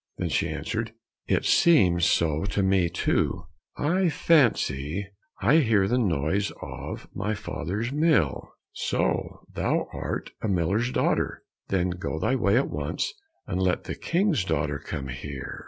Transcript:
Then she answered, "It seems so to me too; I fancy I hear the noise of my father's mill." "So thou art a miller's daughter! Then go thy way at once, and let the King's daughter come here."